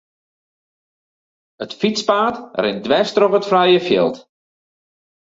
It fytspaad rint dwers troch it frije fjild.